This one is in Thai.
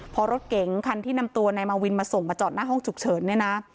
พอรถเก๋งคันที่นำตัวนายมาวินมาส่งมาจอดหน้าห้องฉุกเฉินเนี่ยนะ